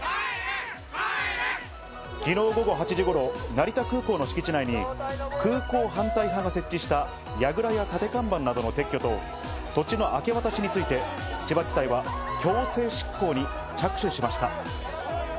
昨日午後８時頃、成田空港の敷地内に空港反対派が設置したやぐらや立て看板などの撤去と土地の明け渡しについて千葉地裁は強制執行に着手しました。